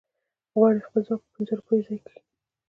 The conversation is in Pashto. غواړي خپل ځواک په پنځو روپو ځای کړي.